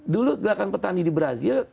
dulu gerakan petani di brazil